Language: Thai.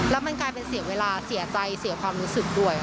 แล้วมันกลายเป็นเสียเวลาเสียใจเสียความรู้สึกด้วยค่ะ